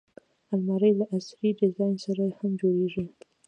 الماري له عصري ډیزاین سره هم جوړیږي